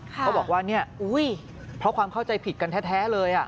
เขาบอกว่าเนี่ยเพราะความเข้าใจผิดกันแท้เลย